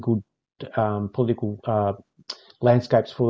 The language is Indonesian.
lanskap politik yang baik